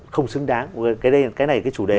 không xứng đáng cái này cái chủ đề